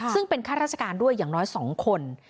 ซึ่งเป็นข้าราชการด้วยอย่างน้อย๒คน